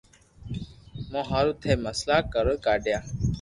مون ھارو ٿي مسلئ ڪرو ڪاڌيو